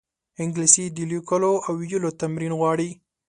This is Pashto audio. انګلیسي د لیکلو او ویلو تمرین غواړي